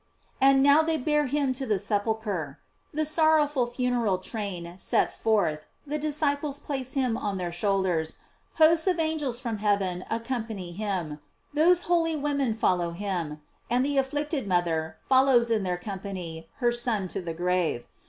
And now they bear him to the sepul chre. The sorrowful funeral train sets forth; the disciples place him on their shoulders; hosts of angels from heaven accompany him; those holy women follow him; and the afflicted mother follows in their company her Son to the grave.